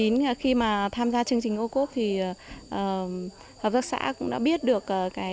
năm hai nghìn một mươi chín khi mà tham gia chương trình ô khốc thì hợp tác xã cũng đã biết được